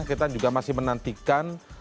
kita juga masih menantikan